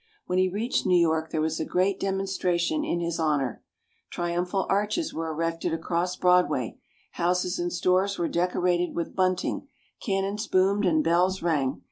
When he reached New York there was a great demonstration in his honor. Triumphal arches were erected across Broadway, houses and stores were decorated with bunting, cannons boomed, and bells rang.